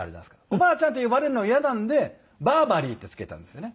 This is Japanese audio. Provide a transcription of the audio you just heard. おばあちゃんと呼ばれるのが嫌なんでバーバリーってつけたんですよね。